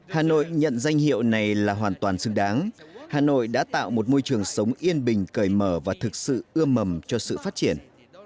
hà nội nhận danh hiệu này là hoàn toàn xứng đáng hà nội đã tạo một môi trường sống yên bình cởi mở và thực sự ưa mầm cho sự phát triển